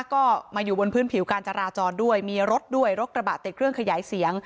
ก็มาอยู่บนพื้นผิวการจราจรด้วยมีรถด้วยรถกระบะติดเครื่องขยายเสียง